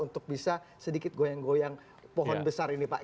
untuk bisa sedikit goyang goyang pohon besar ini pak